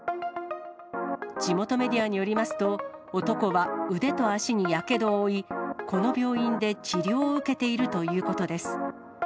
地元メディアによりますと、男は腕と足にやけどを負い、この病院で治療を受けているということです。